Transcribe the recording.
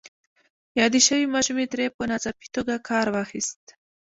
يادې شوې ماشومې ترې په ناڅاپي توګه کار واخيست.